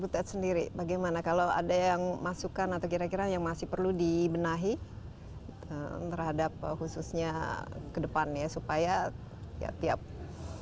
bu ted sendiri bagaimana kalau ada yang masukkan atau kira kira yang masih perlu dibenahi terhadap khususnya ke depannya supaya ya pihak pihaknya juga bisa berpengaruh